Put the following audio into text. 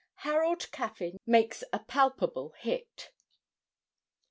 HAROLD CAFFYN MAKES A PALPABLE HIT.